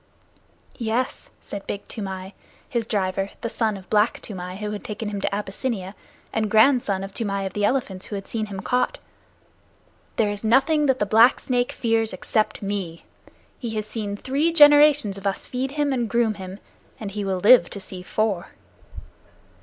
"Yes," said Big Toomai, his driver, the son of Black Toomai who had taken him to Abyssinia, and grandson of Toomai of the Elephants who had seen him caught, "there is nothing that the Black Snake fears except me. He has seen three generations of us feed him and groom him, and he will live to see four."